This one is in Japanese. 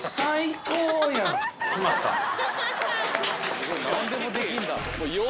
すごい！何でもできるんだ。